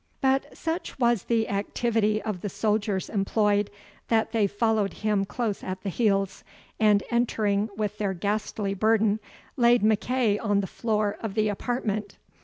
But such was the activity of the soldiers employed, that they followed him close at the heels, and, entering with their ghastly burden, laid MacEagh on the floor of the apartment.